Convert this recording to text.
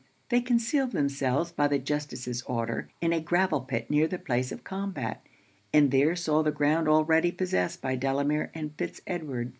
They concealed themselves, by the justice's order, in a gravel pit near the place of combat, and there saw the ground already possessed by Delamere and Fitz Edward.